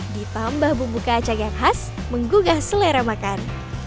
ditambah bumbuka acak yang khas menggugah selera makan